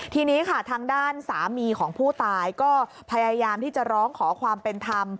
ทีนี้ค่ะทางด้านสามีของผู้ตายก็พยายามที่จะร้องขอความเป็นธรรม